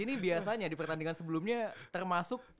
ini biasanya di pertandingan sebelumnya termasuk